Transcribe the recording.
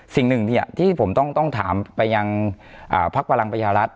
สิ่งหนึ่งที่ผมต้องถามไปยังพักพลังประชารัฐ